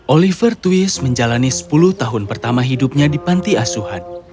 oliver twist menjalani sepuluh tahun pertama hidupnya di panti asuhan